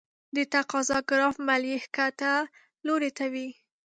د تقاضا ګراف میل یې ښکته لوري ته وي.